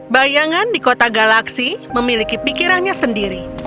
bayangan di kota galaksi memiliki pikirannya sendiri